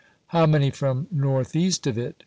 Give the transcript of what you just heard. How many from northeast of it ?